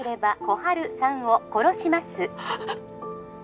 ☎心春さんを殺します